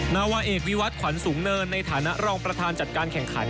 นาวาเอกวิวัตรขวัญสูงเนินในฐานะรองประธานจัดการแข่งขัน